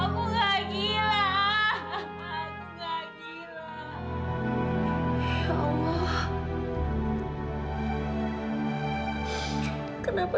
bukannya lo apa